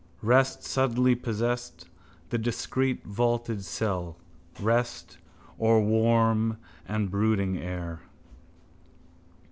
Rest suddenly possessed the discreet vaulted cell, rest of warm and brooding air.